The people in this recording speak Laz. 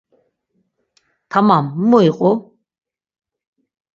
Tamam, mu iqu?